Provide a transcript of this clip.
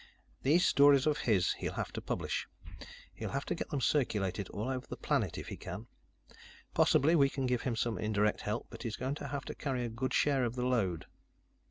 "These stories of his, he'll have to publish. He'll have to get them circulated all over his planet, if he can. Possibly we can give him some indirect help, but he's going to have to carry a good share of the load.